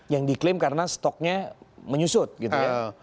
yang diklaim karena stoknya menyusut gitu ya